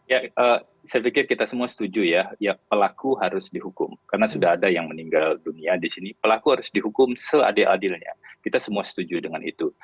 ya saya pikir kita semua setuju ya pelaku harus dihukum karena sudah ada yang meninggal dunia di sini pelaku harus dihukum seadil adilnya kita semua setuju dengan itu